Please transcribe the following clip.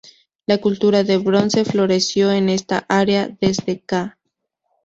La cultura de bronce floreció en esta área desde ca.